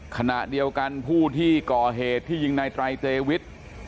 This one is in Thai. ขณะเดียวกันผู้ที่ก่อเหตุที่ยิงในไตรเตวิท